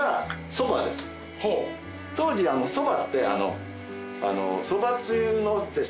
当時そばって。